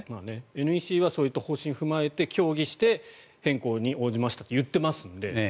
ＮＥＣはそういった方針を踏まえて協議して変更に応じましたと言っていますので。